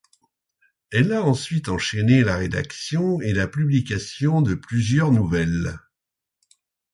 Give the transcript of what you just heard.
Elle a ensuite enchaîné la rédaction et la publication de plusieurs nouvelles.